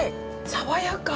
爽やか！